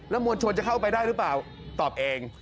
มวลชนจะเข้าไปได้หรือเปล่าตอบเอง